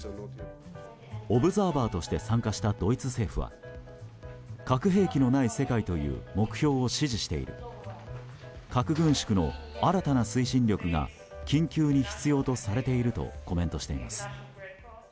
オブザーバーとして参加したドイツ政府は核兵器のない世界という目標を支持している核軍縮の新たな推進力が緊急に必要とされているとコメントしています。